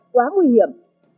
quá nguy hiểm